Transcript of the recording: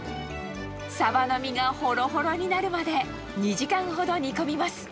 サバの身がほろほろになるまで２時間ほど煮込みます。